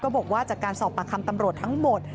บอกว่าจากการสอบปากคำตำรวจทั้งหมด